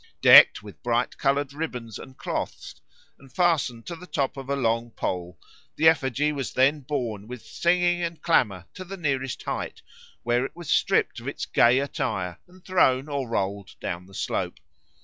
Decked with bright coloured ribbons and cloths, and fastened to the top of a long pole, the effigy was then borne with singing and clamour to the nearest height, where it was stript of its gay attire and thrown or rolled down the slope.